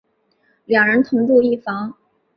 两人同住一房。